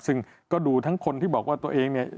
ซึ่งก็ดูทั้งคนที่บอกว่าตัวเองเนี่ย